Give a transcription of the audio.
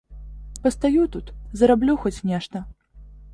Пастаю тут, зараблю хоць нешта.